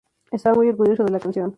Estaba muy orgulloso de la canción".